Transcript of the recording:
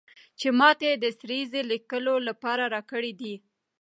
چې ماته یې د سریزې لیکلو لپاره راکړی دی.